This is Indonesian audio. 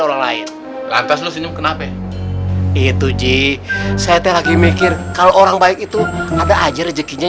orang lain lantas lu senyum kenapa itu ji saya lagi mikir kalau orang baik itu ada aja rezekinya